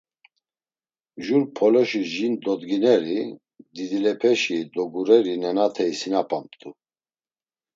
Jur poloşi jin dodgineri, didilepeşi dogureri nenate isinapamt̆u.